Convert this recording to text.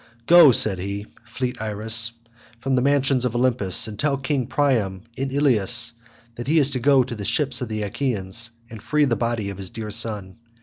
"Go," said he, "fleet Iris, from the mansions of Olympus, and tell King Priam in Ilius, that he is to go to the ships of the Achaeans and free the body of his dear son.